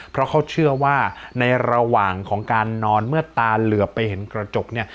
เพราะเขาเชื่อว่าในระหว่างของการนอนเมื่อตาเหลือไปเห็นกระจกเนี่ย